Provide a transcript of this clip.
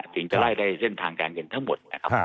ถึงจะไล่ได้เส้นทางการเงินทั้งหมดนะครับ